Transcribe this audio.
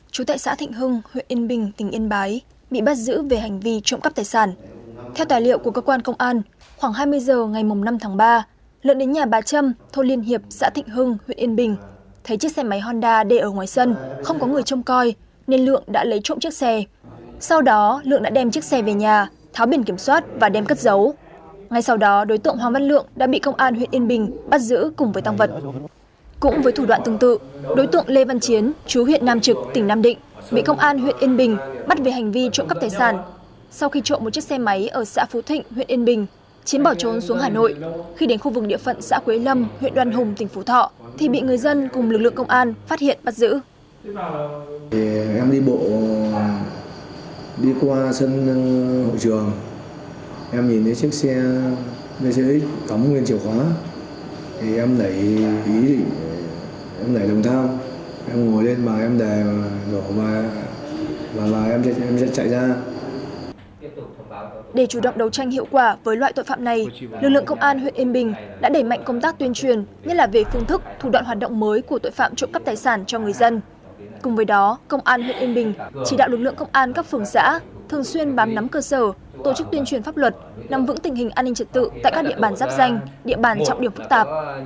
cùng với đó công an huyện yên bình chỉ đạo lực lượng công an các phường xã thường xuyên bám nắm cơ sở tổ chức tuyên truyền pháp luật nằm vững tình hình an ninh trật tự tại các địa bàn giáp danh địa bàn trọng điểm phức tạp